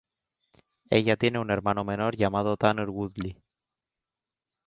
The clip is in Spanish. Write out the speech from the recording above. Ella tiene un hermano menor llamado Tanner Woodley.